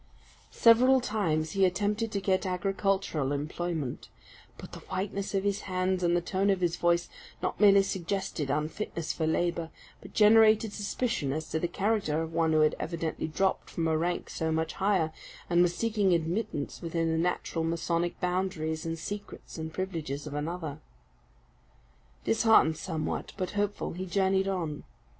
Several times he attempted to get agricultural employment; but the whiteness of his hands and the tone of his voice not merely suggested unfitness for labour, but generated suspicion as to the character of one who had evidently dropped from a rank so much higher, and was seeking admittance within the natural masonic boundaries and secrets and privileges of another. Disheartened somewhat, but hopeful, he journeyed on.